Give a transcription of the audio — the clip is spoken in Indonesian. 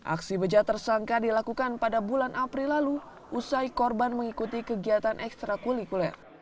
aksi bejat tersangka dilakukan pada bulan april lalu usai korban mengikuti kegiatan ekstra kulikuler